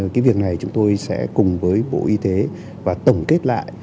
cái việc này chúng tôi sẽ cùng với bộ y tế và tổng kết lại